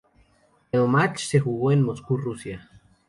El match se jugó en Moscú, Rusia.